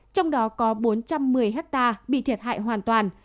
trong đó có bốn trăm một mươi hectare bị thiệt hại hoàn toàn